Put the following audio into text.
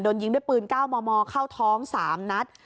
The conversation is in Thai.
โดนยิงด้วยปืนก้าวมอเข้าท้อง๓นัด